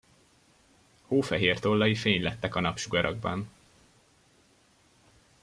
Hófehér tollai fénylettek a napsugarakban.